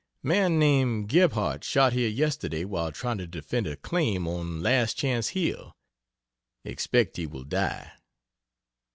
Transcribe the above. Man named Gebhart shot here yesterday while trying to defend a claim on Last Chance Hill. Expect he will die.